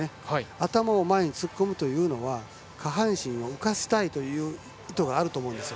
頭を前に突っ込むというのは下半身を浮かせたいという意図があると思うんですよ。